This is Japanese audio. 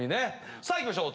さあいきましょう。